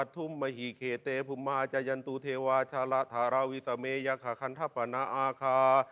ตุเทวาชะระธารวิสะเมยะคะคันธปนะอาคา